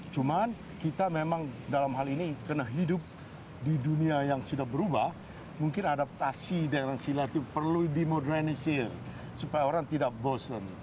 cuman kita memang dalam hal ini karena hidup di dunia yang sudah berubah mungkin adaptasi dengan silat itu perlu dimodernisir supaya orang tidak bosen